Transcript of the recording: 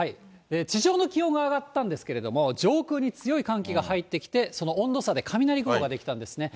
地上の気温が上がったんですけれども、上空に強い寒気が入ってきて、その温度差で雷雲が出来たんですね。